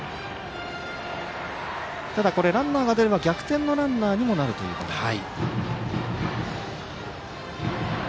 ランナーが出れば逆転のランナーにもなるということで。